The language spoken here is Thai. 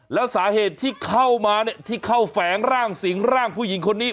แล้วสาเหตุที่เข้ามาเนี่ยที่เข้าแฝงร่างสิงร่างผู้หญิงคนนี้